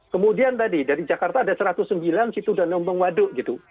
kemudian tadi dari jakarta ada satu ratus sembilan situdanung waduk gitu